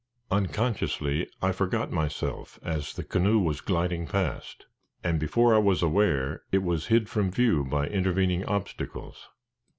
Unconsciously I forgot myself as the canoe was gliding past, and before I was aware, it was hid from view by intervening obstacles.